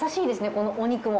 このお肉も。